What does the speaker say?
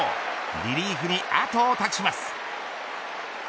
リリーフに後を託します。